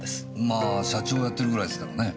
まあ社長をやってるぐらいですからね。